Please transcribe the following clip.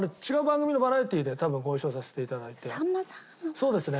そうですね。